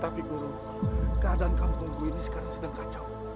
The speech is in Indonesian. tapi guru keadaan kampungku ini sekarang sedang kacau